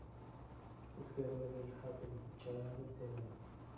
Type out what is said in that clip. Es creador del hatun charango peruano.